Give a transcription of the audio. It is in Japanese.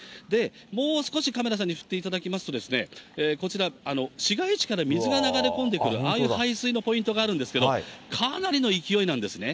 もう少しカメラさんに振っていただきますと、こちら、市街地から水が流れ込んでくる、ああいう排水のポイントがあるんですけど、かなりの勢いなんですね。